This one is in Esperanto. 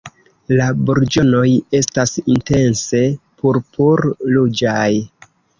La burĝonoj estas intense purpur-ruĝaj.